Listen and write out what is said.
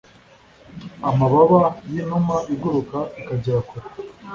Amababa y'inuma iguruka ikagera kure